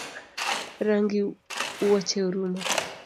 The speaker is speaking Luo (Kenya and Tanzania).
Rangi wuoche orumo